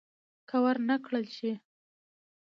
که ور نه کړل شي.